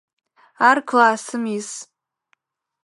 Ар классым ис.